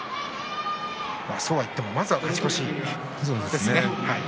そう言っても、まずは勝ち越しですね。